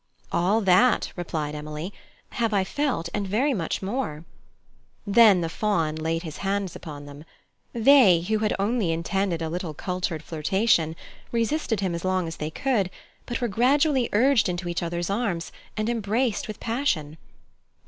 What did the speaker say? "All that," replied Emily, "have I felt, and very much more " Then the Faun laid his hands upon them. They, who had only intended a little cultured flirtation, resisted him as long as they could, but were gradually urged into each other's arms, and embraced with passion.